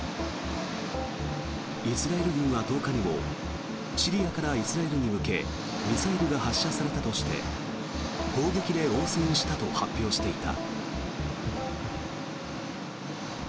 イスラエル軍は１０日にもシリアからイスラエルに向けミサイルが発射されたとして砲撃で応戦したと発表していた。